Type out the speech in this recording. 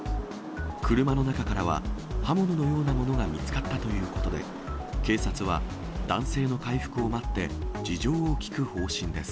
車の中からは、刃物のようなものが見つかったということで、警察は男性を回復を待って、事情を聴く方針です。